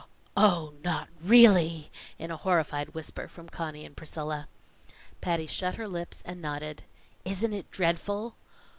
"Oh! not really?" in a horrified whisper from Conny and Priscilla. Patty shut her lips and nodded. "Isn't it dreadful?"